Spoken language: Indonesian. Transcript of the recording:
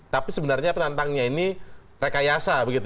tapi sebenarnya penantangnya ini rekayasa